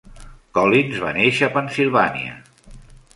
Collins va néixer a Pennsilvània.